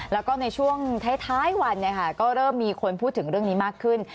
แล้วก็ในช่วงท้ายวันก็เริ่มมีคนพูดถึงเรื่องนี้มากขึ้น